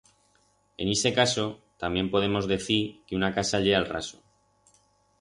En ixe caso, tamién podemos decir que una casa ye a'l raso.